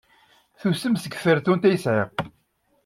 Tusem seg tfertunt ay sɛiɣ.